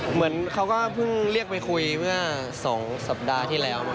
เหมือนเขาก็เพิ่งเรียกไปคุยเมื่อ๒สัปดาห์ที่แล้ว